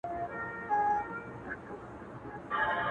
هغه د مور ښځې او ټولنيز فشار ترمنځ ژوند کوي او سخت حالت زغمي,